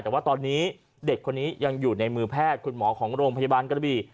แต่ว่าตอนนี้เด็กคนนี้ยังอยู่ในมือแพทย์คุณหมอของโรงพยาบาลกระบี่